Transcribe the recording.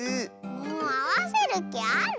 もうあわせるきある？